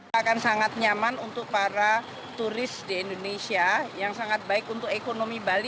akan sangat nyaman untuk para turis di indonesia yang sangat baik untuk ekonomi bali